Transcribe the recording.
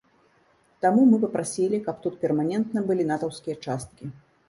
Таму мы папрасілі, каб тут перманентна былі натаўскія часткі.